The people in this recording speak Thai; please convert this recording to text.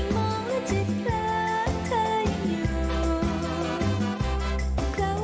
สวัสดีครับ